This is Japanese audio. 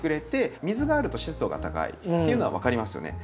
水があると湿度が高いっていうのは分かりますよね。